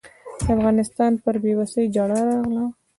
د افغانستان پر بېوسۍ ژړا راغله.